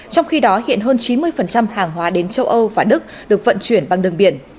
trong khi đó hiện hơn chín mươi hàng hóa đến châu âu và đức được vận chuyển bằng đường biển